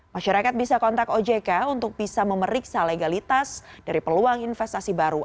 masyarakat bisa kontak ojk untuk bisa memeriksa legalitas dari peluang investasi baru